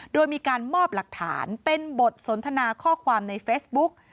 โดยมีการมอบหลักฐานเป็นบทสนทนาข้อความในเฟซบุ๊ก